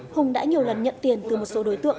hùng đã nhiều lần nhận tiền từ một số đối tượng